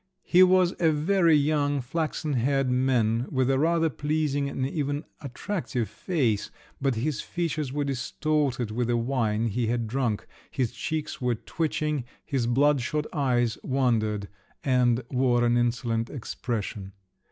He was a very young flaxen haired man, with a rather pleasing and even attractive face, but his features were distorted with the wine he had drunk, his cheeks were twitching, his blood shot eyes wandered, and wore an insolent expression.